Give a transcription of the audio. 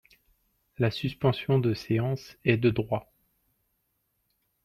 La suspension de séance est de droit.